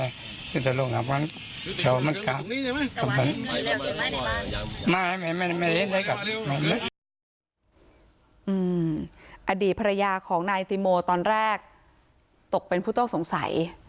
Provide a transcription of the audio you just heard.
อดีตภรรยาของนายติโมตอนแรกตกเป็นผู้ต้องสงสัย